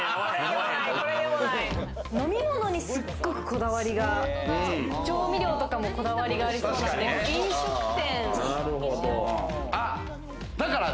飲み物にすごくこだわりが、調味料とかもこだわりがありそうなんで、飲食店。